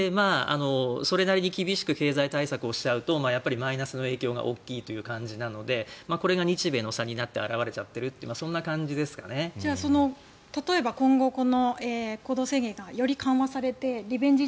それなりに厳しく経済対策をしちゃうとマイナスの影響が大きいという感じなのでこれが日米の差になって表れちゃっているという例えば今後、行動制限がより緩和されてリベンジ